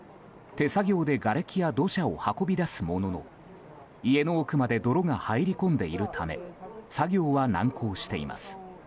手作業で、がれきや土砂を運び出すものの家の奥まで泥が入り込んでいるため作業は難航しています。